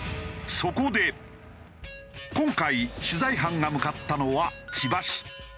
そこで今回取材班が向かったのは千葉市。